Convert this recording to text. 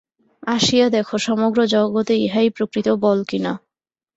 আসিয়া দেখ, সমগ্র জগতে ইহাই প্রকৃত বল কি না।